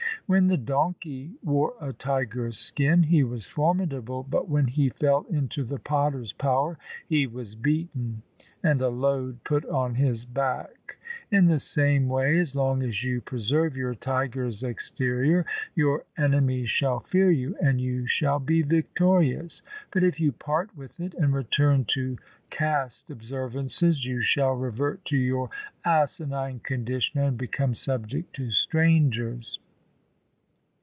When the donkey wore a tiger's skin he was formidable, but when he fell into the potter's power he was beaten and a load put on his back. In the same way, as long as you preserve your tiger's exterior, your enemies shall fear you, and you shall be victorious, but if you part with it, and return to caste observances, you shall 102 THE SIKH RELIGION revert to your asinine condition and become subject to strangers.